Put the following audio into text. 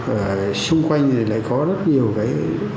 ở xung quanh này lại có rất nhiều cái